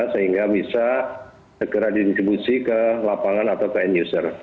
sehingga bisa segera didistribusi ke lapangan atau ke end user